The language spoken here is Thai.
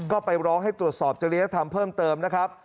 ก็ไปร้องให้ตรวจสอบจริยธรรมเพิ่มเติมนะครับ